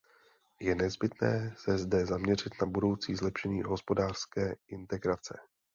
Je nezbytné se zde zaměřit na budoucí zlepšení hospodářské integrace.